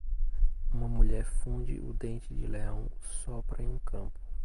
Uma mulher funde o dente-de-leão sopra em um campo.